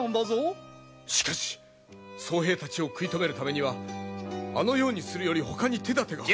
しかし僧兵たちを食い止めるためにはあのようにするよりほかに手だてが。